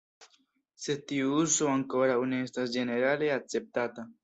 Sed tiu uzo ankoraŭ ne estas ĝenerale akceptata.